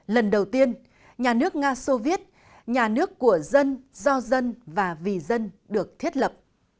lần đầu tiên nhà nước nga soviet nhà nước của dân do dân và vì dân được thiết lập